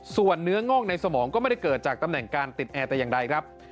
ส่วนเนื้องอกในสมองก็ไม่ได้เกิดจากตำแหน่งการติดแอร์แต่อย่างใดครับ